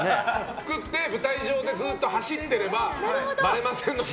作って舞台上でずっと走ってればばれませんので。